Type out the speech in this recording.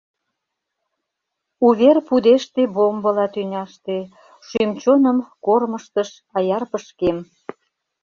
Увер пудеште бомбыла тӱняште, шӱм-чоным кормыжтыш аяр пышкем.